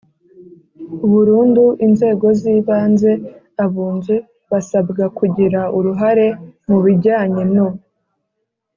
burundu Inzego z Ibanze abunzi basabwa kugira uruhare mu bijyanye no